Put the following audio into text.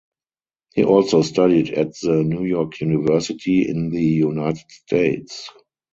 He also studied at the New York University in the United States.